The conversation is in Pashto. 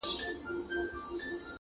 غزني یا کارته چهار ته نژدې يوه جامع.